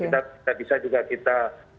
dan tidak bisa juga kita